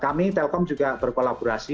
kami telkom juga berkolaborasi